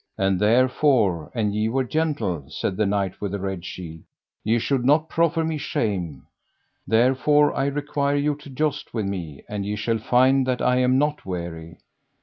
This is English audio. And therefore, an ye were gentle, said the Knight with the Red Shield, ye should not proffer me shame; therefore I require you to joust with me, and ye shall find that I am not weary.